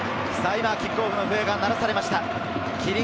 今、キックオフの笛が鳴らされました。